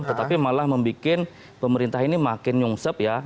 tetapi malah membuat pemerintah ini makin nyungsep ya